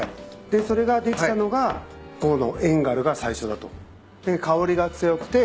でそれができたのがこの遠軽が最初だと。